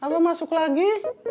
aku masuk lagi